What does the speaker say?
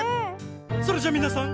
それじゃみなさん